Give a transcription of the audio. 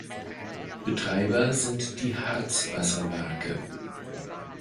Betreiber sind die Harzwasserwerke.